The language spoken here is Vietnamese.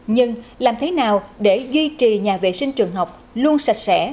nhưng làm thế nào để duy trì nhà vệ sinh trường học luôn sạch sẽ